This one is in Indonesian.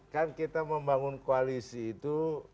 kan kita membangun koalisi itu